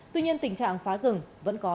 tuy nhiên tình trạng phá rừng vẫn có